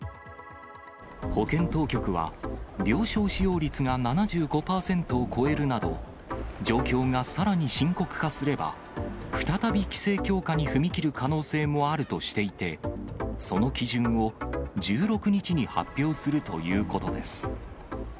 保健当局は、病床使用率が７５％を超えるなど、状況がさらに深刻化すれば、再び規制強化に踏み切る可能性もあるとしていて、その基準を１６日に発表するということです。